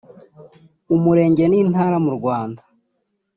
umurenge n’Intara mu Rwanda